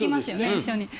一緒に。